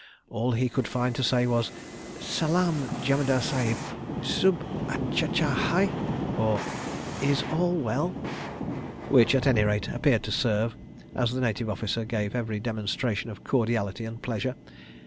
All he could find to say was: "Salaam, Jemadar Sahib! Sub achcha hai?" {38a} which at any rate appeared to serve, as the Native Officer gave every demonstration of cordiality and pleasure.